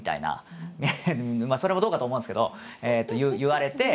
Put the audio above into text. まあそれもどうかと思うんですけど言われて。